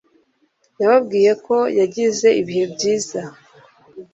Yababwiye ko yagize ibihe byiza.